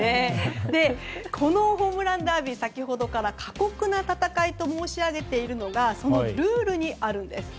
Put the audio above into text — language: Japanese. このホームランダービー先ほどから過酷な戦いと申し上げているのがそのルールにあるんです。